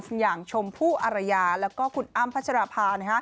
สมยังชมผู้อารยาแล้วก็คุณอ้ำพัชรภา